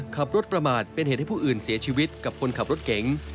ขับรถประมาทเป็นเหตุให้ผู้อื่นเสียชีวิตกับคนขับรถเก๋ง